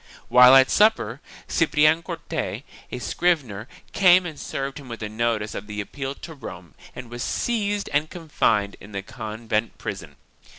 While at supper, Ciprian Corte, a scrivener, came and served him with a notice of the appeal to Rome and was seized and confined in the convent prison.